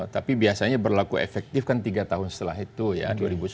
tapi biasanya berlaku efektif kan tiga tahun setelah itu ya dua ribu sebelas